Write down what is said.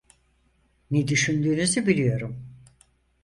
Ne düşündüğünüzü biliyorum.